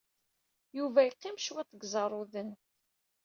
Yuba yeqqim cwiṭ deg Iẓerruden.